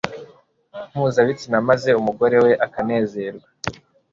mpuzabitsina maze umugore we akanezerwa